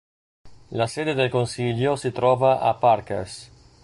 La sede del consiglio si trova a Parkes.